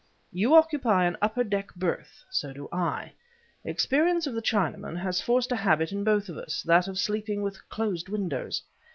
You occupy an upper deck berth; so do I. Experience of the Chinaman has formed a habit in both of us; that of sleeping with closed windows.